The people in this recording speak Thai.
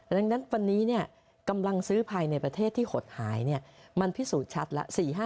ดังนั้นวันนี้กำลังซื้อภายในประเทศที่หดหายมันพิสูจน์ชัดแล้ว